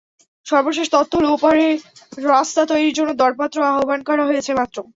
সর্বশেষ তথ্য হলো, ওপারে রাস্তা তৈরির জন্য দরপত্র আহ্বান করা হয়েছে মাত্র।